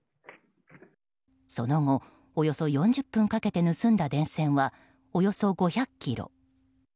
その後、およそ４０分かけて盗んだ電線は、およそ５００ｋｇ。